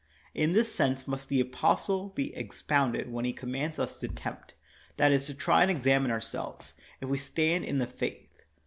In this sense must the apostle be ex pounded when he commands us to tempt ; that is, to try and examine ourselves, if we stand in the faith.